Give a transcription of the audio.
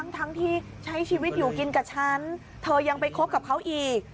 ทั้งที่ใช้ชีวิตอยู่กินกับฉันเธอยังไปคบกับเขาอีก